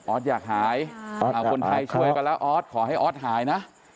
อยากหายคนไทยช่วยกันแล้วออสขอให้ออสหายนะ